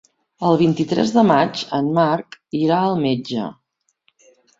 El vint-i-tres de maig en Marc irà al metge.